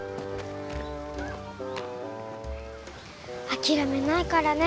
諦めないからね。